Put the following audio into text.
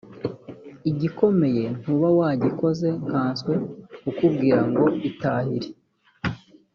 igikomeye ntuba wagikoze nkanswe kukubwira ngo itahire